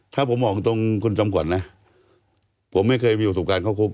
ถ้าผมบอกตรงคุณจำขวัญนะผมไม่เคยมีประสบการณ์เข้าคุก